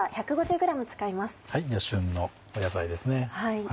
旬の野菜ですね。